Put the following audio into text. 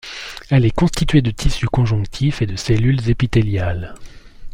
Elle est constituée de tissu conjonctif et de cellules épithéliales.